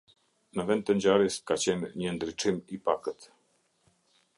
Në vend të ngjarjes ka qenë një ndriçim i pakët.